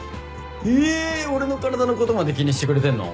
え俺の体のことまで気にしてくれてんの？